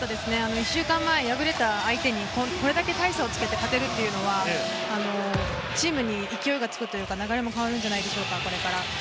１週間前に敗れた相手にこれだけ大差をつけて勝てるというのは、チームに勢いがつくというか流れも変わるのではないでしょうか。